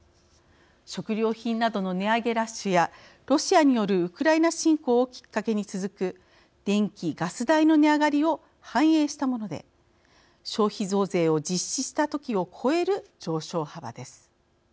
食料品などの値上げラッシュやロシアによるウクライナ侵攻をきっかけに続く電気・ガス代の値上がりを反映したもので消費増税を実施した時を超える上昇幅です。